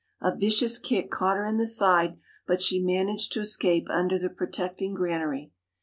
a vicious kick caught her in the side but she managed to escape under the protecting granary.